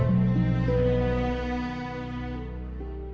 dan bisa menemukan kebaikan